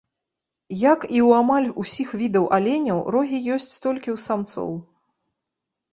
Як і ў амаль усіх відаў аленяў, рогі ёсць толькі ў самцоў.